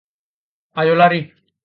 Ayo lari.